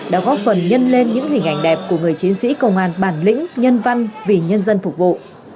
đã góp phần nhân lên những hình ảnh đẹp của người chiến sĩ công an bản lĩnh nhân văn vì nhân dân phục vụ